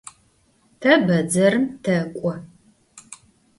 Te bedzerım tek'o.